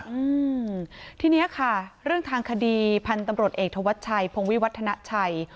อืมทีเนี้ยค่ะเรื่องทางคดีพันธุ์ตำรวจเอกธวัชชัยพงวิวัฒนาชัย